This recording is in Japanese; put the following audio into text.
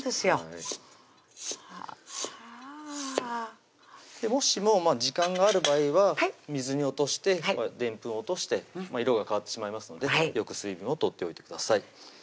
はぁもしも時間がある場合は水に落としてでんぷん落として色が変わってしまいますのでよく水分を取っておいてください